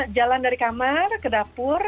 jalan dari kamar ke dapur